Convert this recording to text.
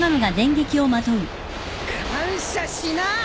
感謝しな。